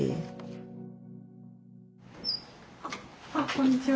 こんにちは。